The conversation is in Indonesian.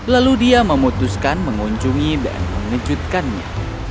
lalu dia memutuskan mengunjungi dan mengejutkannya